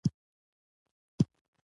هغه بهلول ته شکايت وکړ.